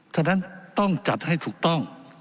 ฉะนั้นต้องจัดให้ถูกต้อง